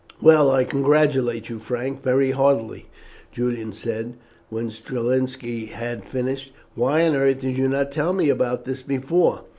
"Well, I congratulate you, Frank, very heartily," Julian said, when Strelinski had finished. "Why on earth did you not tell me about this before?"